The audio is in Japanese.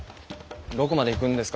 どこまで行くんですか？